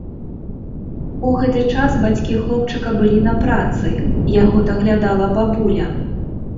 У гэты час бацькі хлопчыка былі на працы, яго даглядала бабуля.